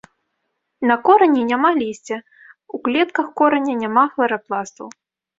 На корані няма лісця, у клетках кораня няма хларапластаў.